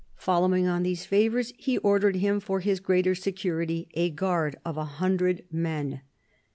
Following on these favours, he ordered him for his greater security a guard of a hundred men.